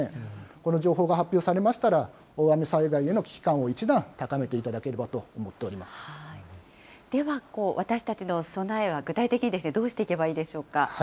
この情報が発表されましたら、大雨災害への危機感を一段高めていでは、私たちの備えは具体的にどうしていけばいいでしょうか。